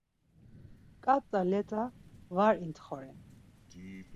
ǩat̆a let̆a var intxoren.